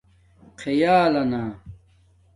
خِیالنا